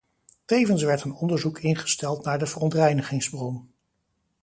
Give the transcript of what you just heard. Tevens werd een onderzoek ingesteld naar de verontreinigingsbron.